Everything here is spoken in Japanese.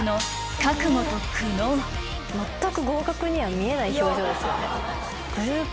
全く合格には見えない表情ですよね。